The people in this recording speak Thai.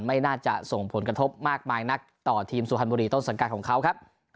ไม่น่าจะส่งผลกระทบมากมายนักต่อทีมสุพรรณบุรีต้นสังกัดของเขาครับ